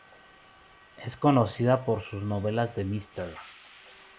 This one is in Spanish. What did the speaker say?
Es conocida por sus novelas de "Mr.